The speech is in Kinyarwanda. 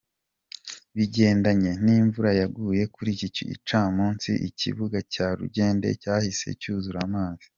Bigendanye n'imvura yaguye kuri iki gicamunsi ikibuga cya Rugende cyahise cyuzura amazi.